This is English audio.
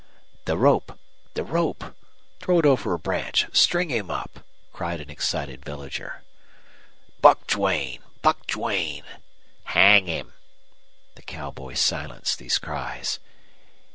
"The rope! The rope! Throw it over a branch! String him up!" cried an excited villager. "Buck Duane! Buck Duane!" "Hang him!" The cowboy silenced these cries.